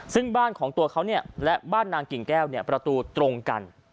ซึ่งบ้านของตัวเขาและบ้านนางกิ่งแก้วประตูตรงกัน